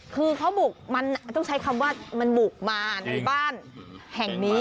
คือเขาบุกมันต้องใช้คำว่ามันบุกมาในบ้านแห่งนี้